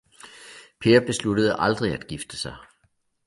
Peer besluttede aldrig at gifte sig!